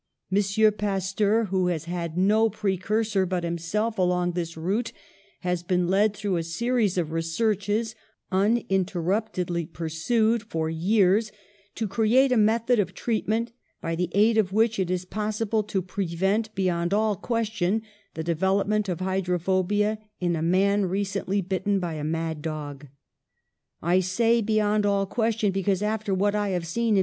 M. Pas teur, who has had no precursor but himself along this route, has been led through a series of researches, uninterruptedly pursued for years, to create a method of treatment by the aid of which it is possible to prevent, beyond all question, the development of hydrophobia in a man recently bitten by a mad dog. I say, beyond all question, because, after what I have seen in M.